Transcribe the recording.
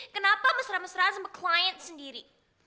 kenapa mesra mesra sama klien sendiri